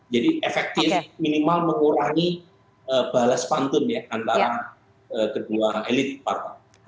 jadi efektif minimal mengurangi balas pantun antara kedua elit partai